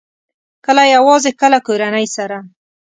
کله یوازې، کله کورنۍ سره